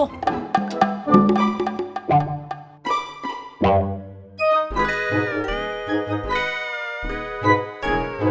oh kayak begitu ya